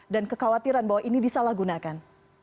dan kekhawatiran bahwa ini disalahgunakan